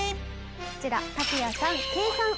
こちらタクヤさんケイさん